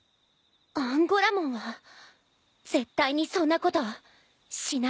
アンゴラモンは絶対にそんなことしない。